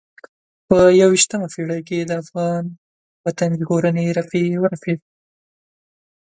په یوه یشتمه پېړۍ کې د افغان وطن ژغورنې رپی ورپېده.